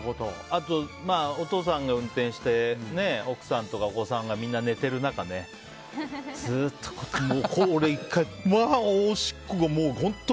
あと、お父さんが運転して奥さんとかお子さんがみんな寝ている中ね俺、１回、おしっこが本当